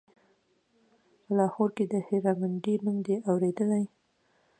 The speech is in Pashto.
په لاهور کښې د هيرا منډيي نوم دې اورېدلى.